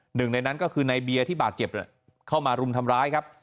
หนึ่งในนั้นก็คือในเบียร์ที่บาดเจ็บเข้ามารุมทำร้ายครับ